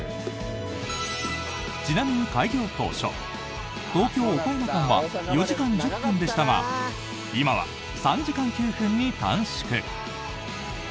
ちなみに開業当初東京岡山間は４時間１０分でしたが今は３時間９分に短縮。